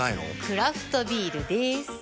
クラフトビールでーす。